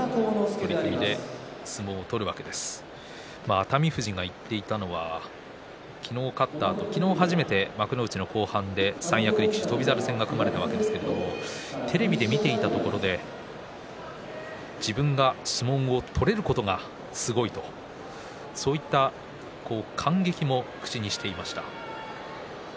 熱海富士が言っていたのは昨日、勝ったあと昨日初めて幕内の後半で三役力士、翔猿戦が組まれたわけですけれどもテレビで見ていたところで自分が相撲を取れることがすごいとそういった感激も口にしていました。